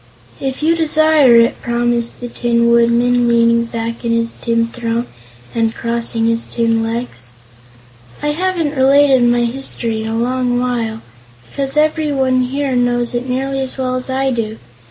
"If you desire it," promised the Tin Woodman, leaning back in his tin throne and crossing his tin legs. "I haven't related my history in a long while, because everyone here knows it nearly as well as I do.